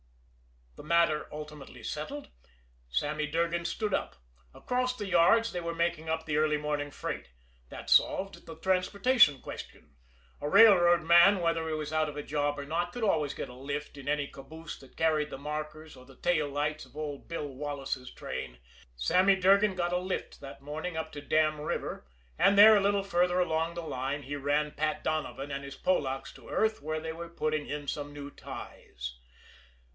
The matter ultimately settled, Sammy Durgan stood up. Across the yards they were making up the early morning freight. That solved the transportation question. A railroad man, whether he was out of a job or not, could always get a lift in any caboose that carried the markers or the tail lights of old Bill Wallis' train. Sammy Durgan got a lift that morning up to Dam River; and there, a little further along the line, he ran Pat Donovan and his Polacks to earth where they were putting in some new ties.